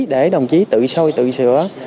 để đồng chí tự sôi tự sửa